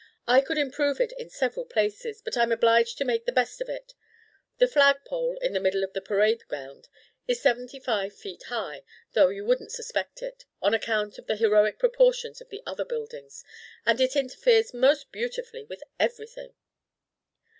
I could improve it in several places, but I'm obliged to make the best of it. The flag pole, in the middle of the parade ground, is seventy five feet high, though you wouldn't suspect it, on account of the heroic proportions of the other buildings, and it interferes most beautifully with everything.